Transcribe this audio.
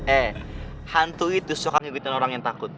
eh hantu itu suka nyebutin orang yang takut